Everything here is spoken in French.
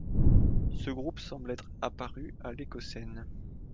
Ce groupe semble être apparu à l'Éocène.